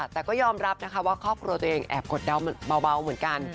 แต่ก็ยอมรับนะคะว่าครอบครัวตัวเองแอบกดเดาเบาเหมือนกัน